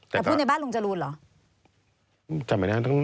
แต่พูดในบ้านลุงจรูนเหรอ